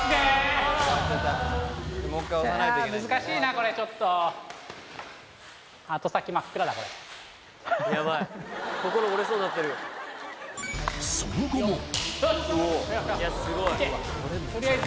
これちょっとその後もよし！